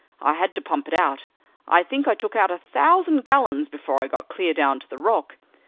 I had to pump it out; I think I took out a thousand gallons before I got clear down to the rock.